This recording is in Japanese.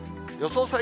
予想